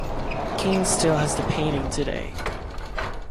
Keane still has the painting today.